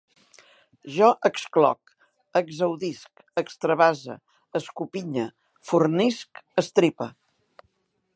Jo excloc, exaudisc, extravase, escopinye, fornisc, estripe